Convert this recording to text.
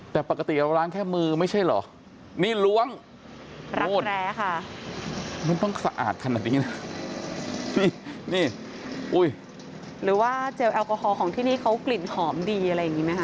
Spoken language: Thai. แต่ปกติเราล้างแค่มือไม่ใช่เหรอนี่ล้วงล้างแคร้ค่ะมันต้องสะอาดขนาดนี้นะนี่อุ้ยหรือว่าเจลแอลกอฮอลของที่นี่เขากลิ่นหอมดีอะไรอย่างนี้ไหมค